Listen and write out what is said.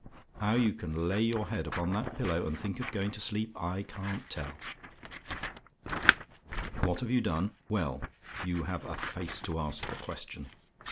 How you can lay your head upon that pillow and think of going to sleep, I can't tell. "WHAT HAVE YOU DONE? "Well, you have a face to ask the question.